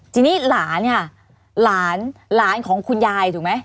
ทีนี้หลานหลานของคุณยายถูกไหม